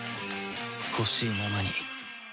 ほしいままに